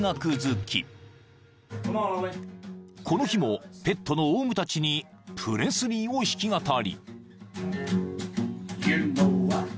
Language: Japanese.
［この日もペットのオウムたちにプレスリーを弾き語り］